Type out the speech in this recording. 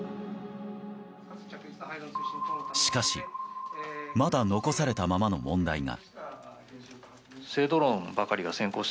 しかし、まだ残されたままの問題が。